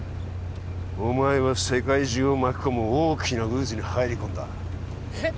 お前は世界中を巻き込む大きな渦に入り込んだえっ？